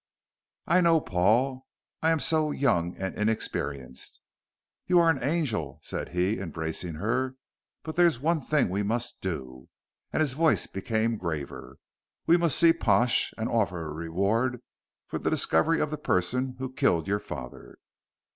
"I know, Paul. I am so young and inexperienced." "You are an angel," said he, embracing her. "But there's one thing we must do" and his voice became graver "we must see Pash and offer a reward for the discovery of the person who killed your father."